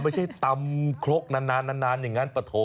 ไม่ใช่ตำครกนานอย่างนั้นปะโถ